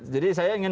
jadi saya ingin